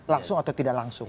langsung atau tidak langsung